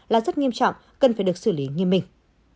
là rất nghiêm trọng cần phải được xử lý nghiêm minh